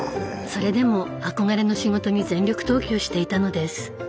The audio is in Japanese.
それでも憧れの仕事に全力投球していたのです。